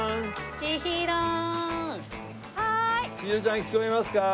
ちひろちゃん聞こえますか？